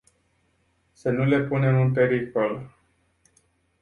Să nu le punem în pericol!